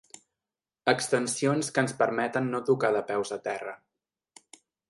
Extensions que ens permeten no tocar de peus a terra.